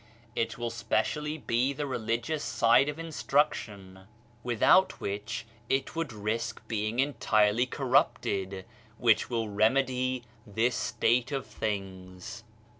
It will specially be the religious side of in struction—without which, it would risk THE BAlTU'L 'ADL 139 being entirely corrupted — which will remedy this state of things.